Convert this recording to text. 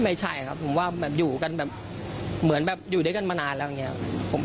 ไม่ใช่ครับผมว่าอยู่กันเหมือนอยู่ด้วยกันมานานแล้วอย่างนี้